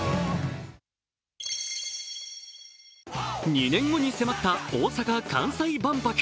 ２年後に迫った大阪・関西万博。